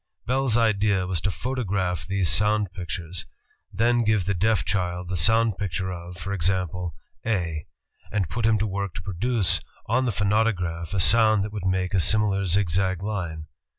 Bell's idea was to photograph these sound pictures; then give the deaf child the sound picture of, for example, "A," and put him to work to produce on the phonautograph a sound that would make a similar zigzag line.